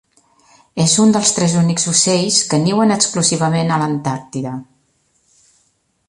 És un dels tres únics ocells que niuen exclusivament a l'Antàrtida.